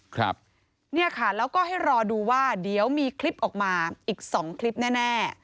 ครับเนี่ยค่ะแล้วก็ให้รอดูว่าเดี๋ยวมีคลิปออกมาอีกสองคลิปแน่แน่